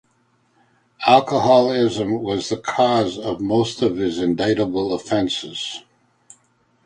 Alcoholism was the cause of most of his indictable offences.